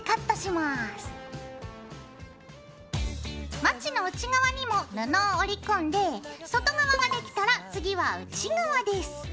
まちの内側にも布を折り込んで外側ができたら次は内側です。